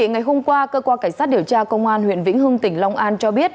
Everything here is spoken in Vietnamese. ngày hôm qua cơ quan cảnh sát điều tra công an huyện vĩnh hưng tỉnh long an cho biết